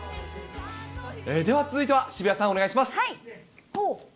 では続いては、渋谷さん、お願いします。